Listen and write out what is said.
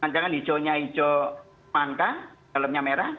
jangan hijaunya hijau mantan dalamnya merah